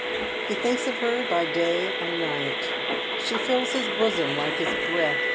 He thinks of her by day and night, she fills his bosom like his breath.